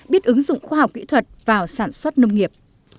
biết ứng dụng khoa học kỹ thuật vào sản xuất nông nghiệp